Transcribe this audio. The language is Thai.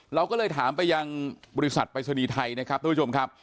เราก็เลยถามไปยังบริษัทปรายศนีย์ไทยนะครับทุกผู้ชมครับ